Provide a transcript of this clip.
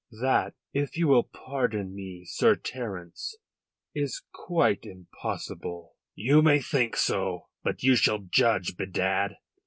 "That, if you will pardon me, Sir Terence, is quite impossible." "You may think so. But you shall judge, bedad.